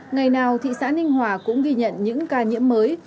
ngày nào thị xã ninh hòa cũng ghi nhận những ca nhiễm mới